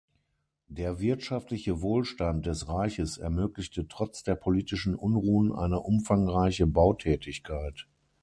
Der wirtschaftliche Wohlstand des Reiches ermöglichte trotz der politischen Unruhen eine umfangreiche Bautätigkeit.